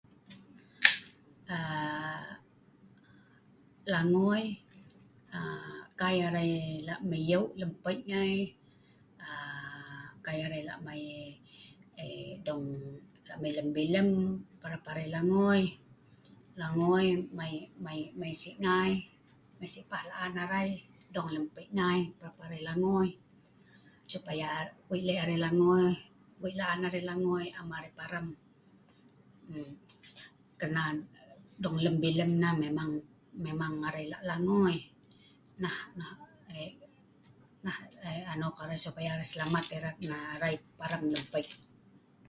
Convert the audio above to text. Aa.. Langoi kai arai lak mei yuk' lem peik ngai, kai arai lak mai dong mai lem bilem parap arai langoi, langoi mai sik ngai mai sikpah laan arai, dong lem peik ngai parap arai langoi. Supaya weik lek arai langoi weik laan arai langoi am arai param. Kerna dong lem bilem nah memang arai lak langoi nah eh.. anok arai supaya arai selamat erat nah param lem peik'